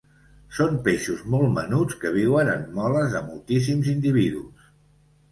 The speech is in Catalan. Són peixos molt menuts que viuen en moles de moltíssims individus.